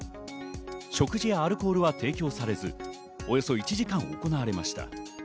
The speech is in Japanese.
食事やアルコールは提供されず、およそ１時間行われました。